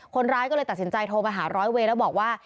คนร้ายก็เลยตัดสินใจโทรมาหาร้อยเวย์แล้วบอกว่า